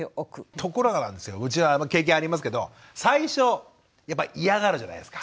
ところがなんですようちは経験ありますけど最初やっぱ嫌がるじゃないですか。